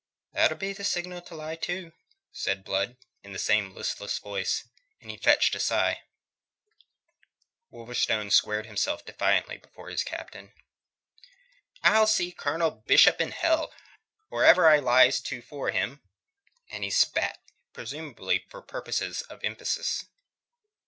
"That'll be the signal to lie to," said Blood, in the same listless voice; and he fetched a sigh. Wolverstone squared himself defiantly before his captain "I'll see Colonel Bishop in hell or ever I lies to for him." And he spat, presumably for purposes of emphasis.